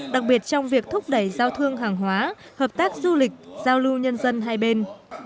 đặc biệt trong việc thúc đẩy giao thương hàng hóa hợp tác du lịch giao lưu nhân dân hai bên